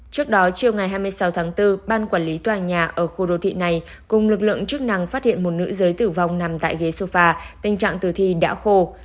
trước đó chiều ngày hai mươi sáu tháng bốn ban quản lý tòa nhà ở khu đô thị này cùng lực lượng chức năng phát hiện một nữ giới tử vong nằm tại ghế sofa tình trạng tử thi đã khô